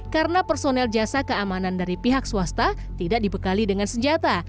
karena personel jasa keamanan dari pihak swasta tidak dibekali dengan senjata